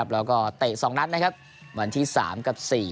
แล้วก็เตะสองนัดวันที่สามกับสี่